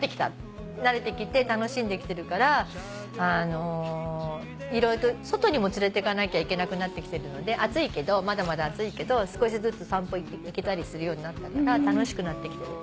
慣れてきて楽しんできてるから外にも連れてかなきゃいけなくなってきてるのでまだまだ暑いけど少しずつ散歩行けたりするようになったから楽しくなってきてる。